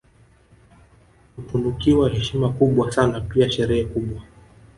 Hutunukiwa heshima kubwa sana pia sherehe kubwa